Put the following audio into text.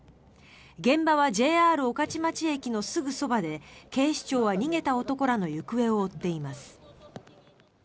現場はＪＲ御徒町駅のすぐそばで警視庁は逃げた男らの行方を追っています。